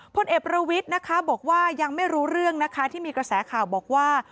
พลเอกประวิทย์นะคะบอกว่ายังไม่รู้เรื่องนะคะที่มีกระแสข่าวบอกว่า